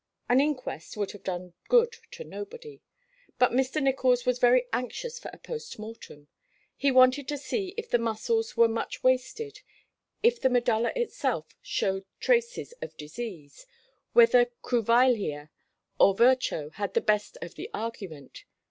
An inquest would have done good to nobody; but Mr. Nicholls was very anxious for a post mortem. He wanted to see if the muscles were much wasted, if the medulla itself showed traces of disease whether Cruveilhier or Virchow had the best of the argument.